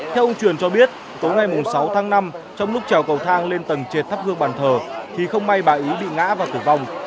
theo ông truyền cho biết tối ngày sáu tháng năm trong lúc trào cầu thang lên tầng trệt thắp hương bàn thờ thì không may bà ý bị ngã và tử vong